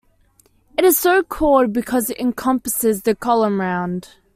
It is so called, because it encompasses the column round.